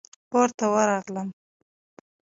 کورته ورغلم.